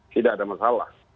tidak ada masalah